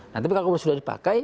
nah tapi kalau sudah dipakai